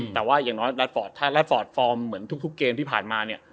แต่ว่าอย่างน้อยถ้าแดดฟอร์ตฟอร์มเหมือนทุกเกมที่ผ่านมาเนี่ย